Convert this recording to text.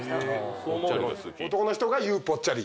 男の人が言うぽっちゃり？